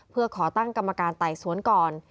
เพื่อขอตั้งกรรมการไต่สวนก่อน